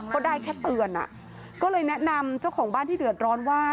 ก็ได้แค่เตือนก็เลยแนะนำเจ้าของบ้านที่เดือดร้อนว่า